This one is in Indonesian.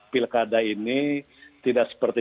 pilkada ini tidak seperti